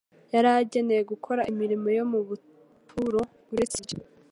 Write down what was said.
yari agenewe gukora imirimo yo mu buturo. Uretse ibyo,